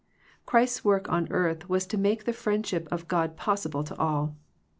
Christ's work on earth was to make the friendship of God possible to all.